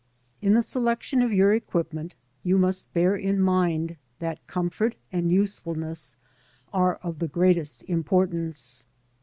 IN the selection of your equipment you must bear in mind that comfort and usefulness are of the greatest importance.